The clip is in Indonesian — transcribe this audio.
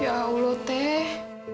ya allah teh